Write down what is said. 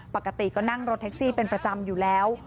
ปกติก็นั่งรถแท็กซี่เป็นประจำอยู่แล้ว